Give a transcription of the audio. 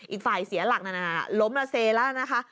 อีกฝ่ายเสียหลักล้มละเซแล้วนะคะ